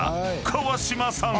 ［川島さん